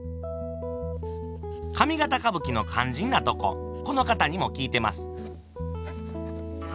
上方歌舞伎の肝心なとここの方にも聞いてます。